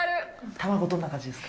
卵、どんな感じですか。